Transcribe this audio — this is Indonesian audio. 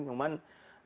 cuman kita resmikan